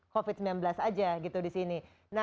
covid sembilan belas saja di sini